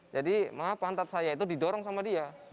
jadi maaf pantat saya itu didorong sama dia